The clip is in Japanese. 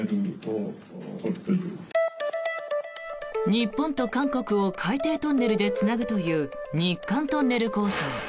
日本と韓国を海底トンネルでつなぐという日韓トンネル構想。